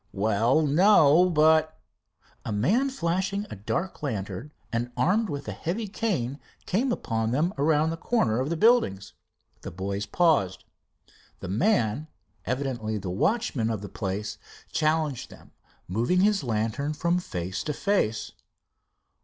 "Well, no, but " A man flashing a dark lantern and armed with a heavy cane came upon them around the corner of the buildings. The boys paused. The man, evidently the watchman of the place, challenged them, moving his lantern from face to face.